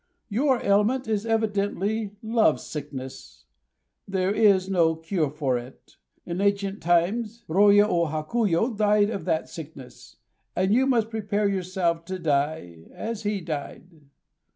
Your ailment is evidently love sickness. There is no cure for it. In ancient times Rôya Ô Hakuyo died of that sickness; and you must prepare yourself to die as he died."